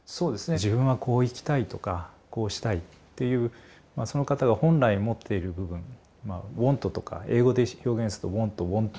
「自分はこう生きたい」とか「こうしたい」っていうその方が本来持っている部分「ｗａｎｔ」とか英語で表現すると「ｗａｎｔ」「ｗａｎｔｔｏ」の部分と。